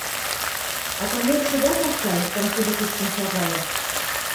Ато мӧр шудат ак кай, самшуды кушкын шагалын...